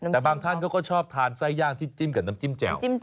แต่บางท่านเขาก็ชอบทานไส้ย่างที่จิ้มกับน้ำจิ้มแจ่ว